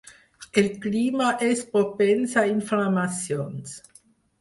El clima és propens a inflamacions.